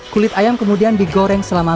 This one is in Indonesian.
kulit ayam kemudian diberi tepung dan diberi tepung